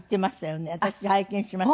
私拝見しましたけど。